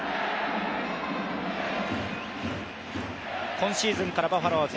今シーズンからバファローズ。